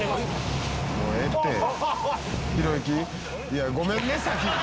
「いやごめんね先に。